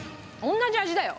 同じだよ。